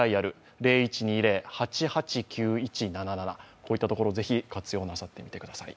こういったところをぜひ活用なさってください。